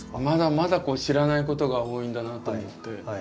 まだまだ知らないことが多いんだなと思って。